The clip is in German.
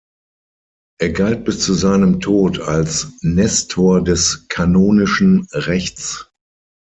Er galt bis zu seinem Tod als Nestor des kanonischen Rechts.